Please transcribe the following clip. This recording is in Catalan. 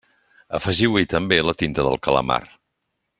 Afegiu-hi també la tinta del calamar.